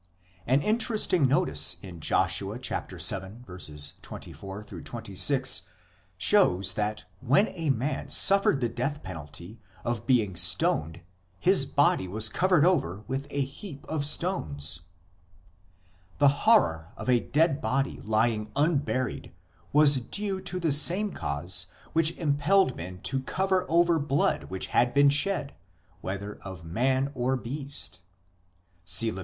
An interesting notice in Josh. vii. 24 26 shows that when a man suffered the death penalty of being stoned his body was covered over with a heap of stones. 8 The horror of a dead body lying unburied was due to the same cause which impelled men to cover over blood which had been shed, whether of man or beast (see Lev.